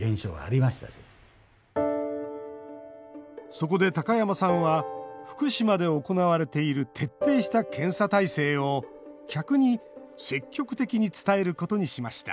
そこで高山さんは福島で行われている徹底した検査体制を客に積極的に伝えることにしました。